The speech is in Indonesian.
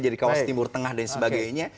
jadi kawas timur tengah dan sebagainya